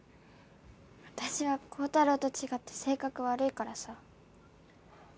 私は高太郎と違って性格悪いからさ。